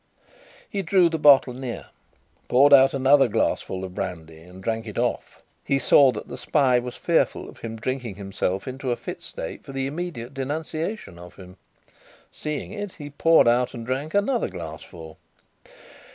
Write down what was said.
He drew the bottle near, poured out another glassful of brandy, and drank it off. He saw that the spy was fearful of his drinking himself into a fit state for the immediate denunciation of him. Seeing it, he poured out and drank another glassful.